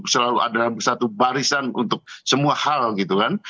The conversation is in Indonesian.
selalu ada satu barisan untuk semua hal gitu kan